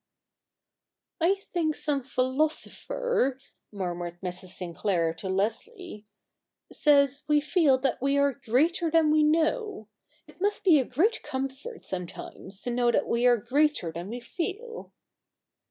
' I think some philosopher,' murmured Mrs. Sinclair to Leslie, ' says we feel that we are greater than we know. It must be a great comfort sometimes to know that we are greater than we feel.'